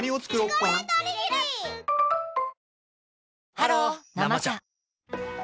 ハロー「生茶」